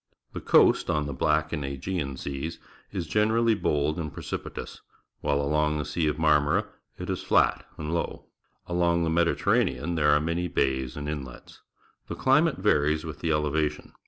The coast on the Black and Aegean Seas is generally bold and preci pitous, wliile along the Sea of Marmora it is flat and low . Along the Mediterranean there are many bays and inlets. The chmate varies with the elevation.